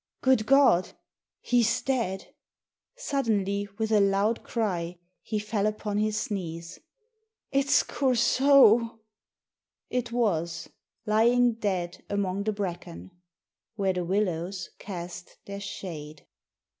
"Good God! He's dead!" Suddenly, with a loud cry, he fell upon his knees. "It'sCoursault!" ... It was. Lying dead among the bracken —" Where the Willows cast their Shade."